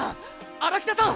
荒北さん！